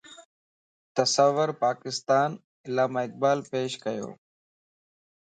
تصورِ پاڪستان علاما اقبال پيش ڪيو